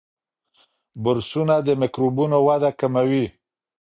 برسونه د میکروبونو وده کموي.